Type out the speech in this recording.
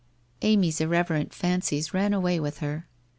Amy's irreverent fancies ran away with her.